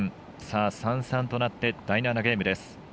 ３−３となって第７ゲームです。